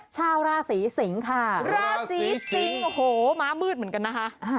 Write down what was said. ชาวราศีสิงค่ะราศีสิงศ์โอ้โหม้ามืดเหมือนกันนะคะ